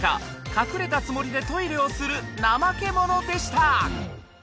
隠れたつもりでトイレをするナマケモノでした